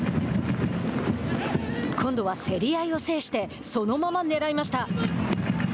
今度は競り合いを制してそのままねらいました。